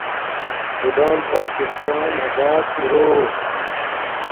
خدان پاکستان ابات اِرو